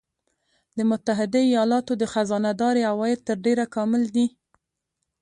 د متحده ایالاتو د خزانه داری عواید تر ډېره کامل دي